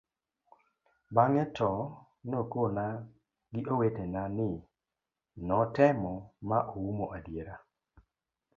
bang'e to nokona gi owetena ni notemo ma oumo adiera